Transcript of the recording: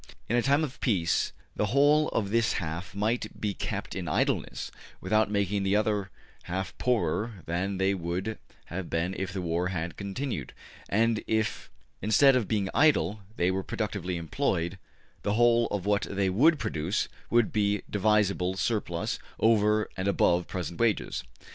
In a time of peace the whole of this half might be kept in idleness without making the other half poorer than they would have been if the war had continued, and if, instead of being idle, they were productively employed, the whole of what they would produce would be a divisible surplus over and above present wages.